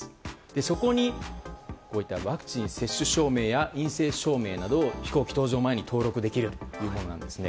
そこにワクチン接種証明や陰性証明などを飛行機搭乗前に登録できるというものなんですね。